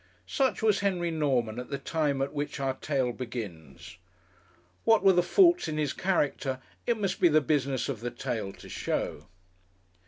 Such was Henry Norman at the time at which our tale begins. What were the faults in his character it must be the business of the tale to show.